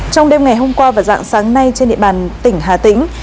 trong đêm ngày hôm qua và dạng sáng nay trên địa bàn tỉnh hà tĩnh